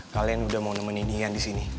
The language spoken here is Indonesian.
kalian udah mau nemenin dian di sini